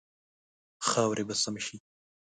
خاورې به سم شي.